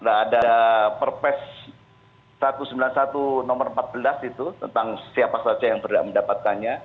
ada perpres satu ratus sembilan puluh satu nomor empat belas itu tentang siapa saja yang berhak mendapatkannya